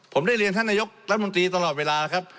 ผมได้เรียนท่านนายกรัฐมนตรีตลอดเวลาแล้วครับ